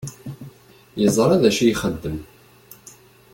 Yeẓṛa dacu i ixeddem.